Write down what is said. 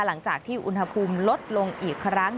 หลังจากที่อุณหภูมิลดลงอีกครั้ง